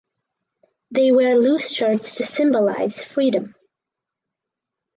They wear loose shirts to symbolize freedom.